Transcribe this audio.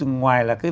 ngoài là cái